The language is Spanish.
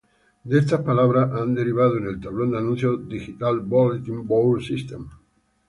De estas palabras ha derivado en el tablón de anuncios digital Bulletin Board System.